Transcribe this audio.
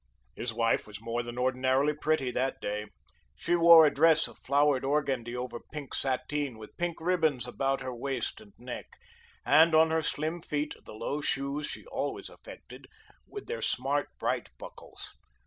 His wife was more than ordinarily pretty that day. She wore a dress of flowered organdie over pink sateen with pink ribbons about her waist and neck, and on her slim feet the low shoes she always affected, with their smart, bright buckles.